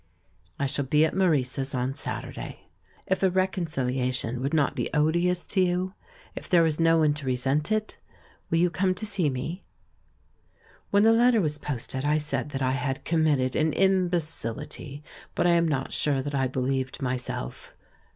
I shall be at Meurice's on Saturday. If a reconciliation would not be odious to you, if there is no one to resent it, will you come to see me?" When the letter was posted, I said that I had committed an imbecility, but I am not sure that I believed myself.